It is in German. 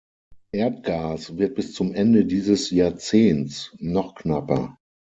Erdgas wird bis zum Ende dieses Jahrzehnts noch knapper.